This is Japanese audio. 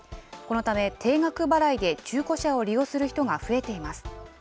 このため、定額払いで中古車を利用する人が増えています。